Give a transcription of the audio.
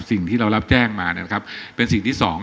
สิ่งที่เรารับแจ้งมาเป็นสิ่งที่สอง